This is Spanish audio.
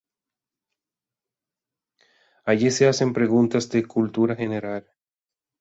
Allí se le hacen preguntas de cultura general.